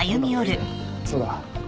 そうだ。